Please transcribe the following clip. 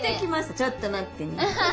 ちょっと待ってね。